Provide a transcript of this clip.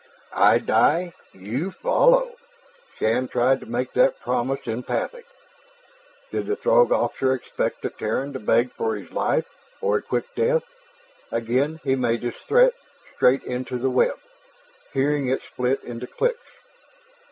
"I die you follow " Shann tried to make that promise emphatic. Did the Throg officer expect the Terran to beg for his life or a quick death? Again he made his threat straight into the web, hearing it split into clicks.